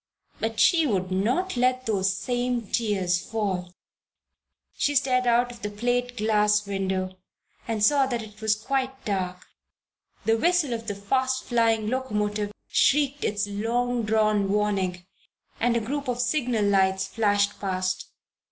But she would not let those same tears fall! She stared out of the plate glass window and saw that it was now quite dark. The whistle of the fast flying locomotive shrieked its long drawn warning, and a group of signal lights flashed past.